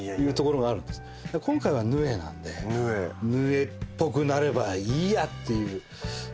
今回はなんでっぽくなればいいやっていう。